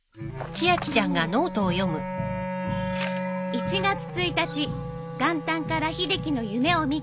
「１月１日元旦から秀樹の夢を見た」